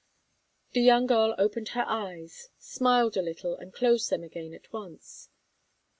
The young girl opened her eyes, smiled a little, and closed them again at once.